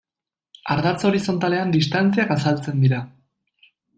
Ardatz horizontalean distantziak azaltzen dira.